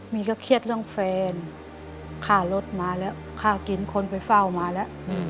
มีก็เครียดเรื่องแฟนค่ารถมาแล้วค่ากินคนไปเฝ้ามาแล้ว